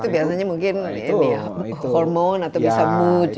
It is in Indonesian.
itu biasanya mungkin hormon atau bisa mood